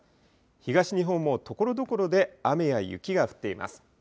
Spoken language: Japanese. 東日本もところどころで雨や雪が降っています。